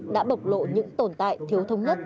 đã bộc lộ những tồn tại thiếu thông nhất